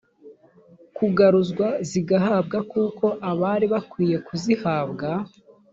kugaruzwa zigahabwa koko abari bakwiye kuzihabwa